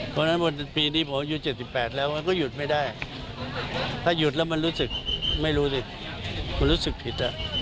เพราะฉะนั้นปีนี้ผมอายุ๗๘แล้วมันก็หยุดไม่ได้ถ้าหยุดแล้วมันรู้สึกไม่รู้สิมันรู้สึกผิด